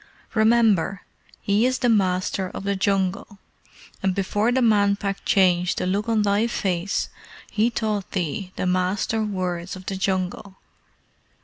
Remember, he is the Master of the Jungle, and before the Man Pack changed the look on thy face, he taught thee the Master words of the Jungle."